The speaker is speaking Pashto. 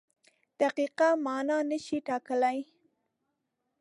دقیقه مانا نشي ټاکلی.